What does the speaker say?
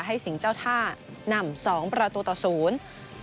สิงห์เจ้าท่านำสองประตูต่อศูนย์